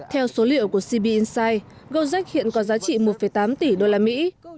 theo số liệu của cb insight go trek hiện có giá trị một tám tỷ đô la mỹ